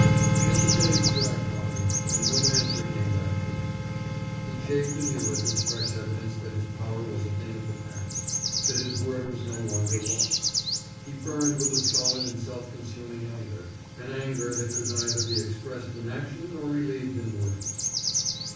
Yet the days dragged by, and no answer came back to him. He chafed anew at this fresh evidence that his power was a thing of the past, that his word was no longer law. He burned with a sullen and self consuming anger, an anger that could be neither expressed in action nor relieved in words.